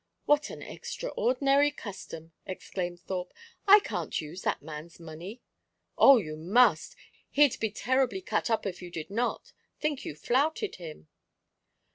"What an extraordinary custom!" exclaimed Thorpe. "I can't use that man's money." "Oh, you must! He'd be terribly cut up if you did not think you flouted him."